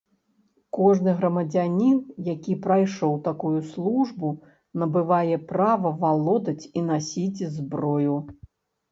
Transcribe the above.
Кожны грамадзянін, які прайшоў такую службу, набывае права валодаць і насіць зброю.